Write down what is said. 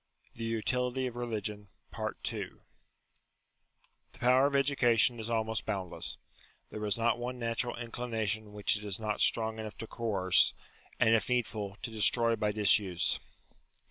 82 UTILITY OF RELIGION The power of education is almost boundless : there is not one natural inclination which it is not strong enough to coerce, and, if needful, to destroy by disuse.